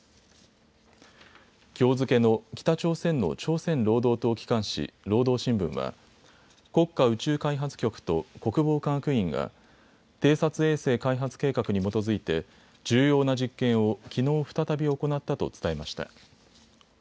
きょう付けの北朝鮮の朝鮮労働党機関紙、労働新聞は国家宇宙開発局と国防科学院が偵察衛星開発計画に基づいて重要な実験をきのう再び行ったと伝えました。